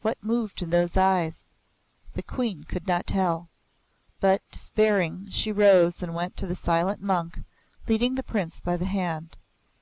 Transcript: What moved in those eyes? The Queen could not tell. But despairing, she rose and went to the silent monk, leading the Prince by the hand.